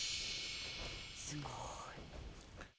すごい。